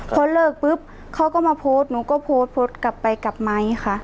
พอเลิกปุ๊บเขาก็มาโพสต์หนูก็โพสต์โพสต์กลับไปกลับไมค์ค่ะ